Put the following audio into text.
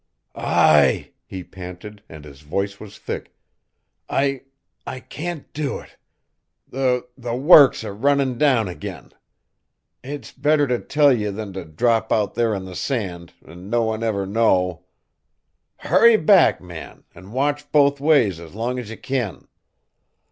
"Ai," he panted, and his voice was thick, "I I can't do it! The the works are runnin' down agin. It's better t' tell ye than t' drop out there on the sand, an' no one ever know. Hurry back, man, an' watch both ways as long as ye can."